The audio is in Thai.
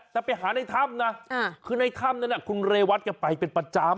แต่ไปหาในถ้ำนะคือในถ้ำนั้นคุณเรวัตแกไปเป็นประจำ